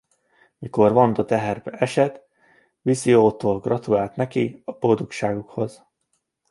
Mikor Wanda teherbe esett Víziótól gratulált nekik a boldogságukhoz.